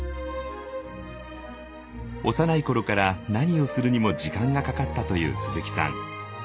幼い頃から何をするにも時間がかかったという鈴木さん。